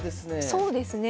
そうですね。